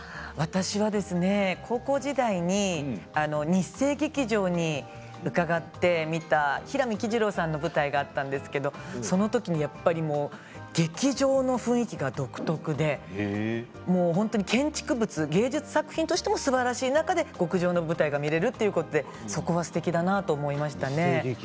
私はですね、高校時代に日生劇場に伺って見た平幹二朗さんの舞台があったんですけどそのときにやっぱり劇場の雰囲気が独特で建築物、芸術作品としてもすばらしい中で極上の舞台が見られるということでそこはすてきだなと思いましたね。